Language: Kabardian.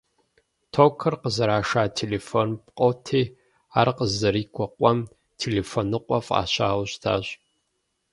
Токыр къызэрашар телефон пкъоти, ар къызэрырикӀуэ къуэм «Телефоныкъуэ» фӀащауэ щытащ.